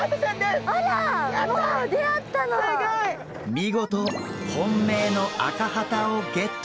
見事本命のアカハタをゲット。